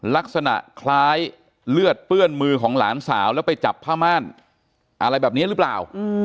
ลักษณะคล้ายเลือดเปื้อนมือของหลานสาวแล้วไปจับผ้าม่านอะไรแบบนี้หรือเปล่า